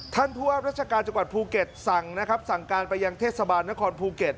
ท่านผัวรัชกาลจังหวัดภูเก็ตสั่งการไปยังเทศบาลนครภูเก็ต